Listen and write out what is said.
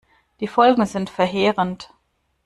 Die Folgen sind verheerend.